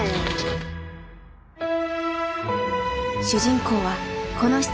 主人公はこの７人。